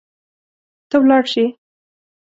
ته ولاړ شي